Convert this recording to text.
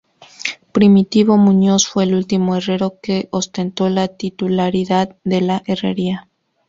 Primitivo Muñoz, fue el último herrero que ostentó la titularidad de la herrería.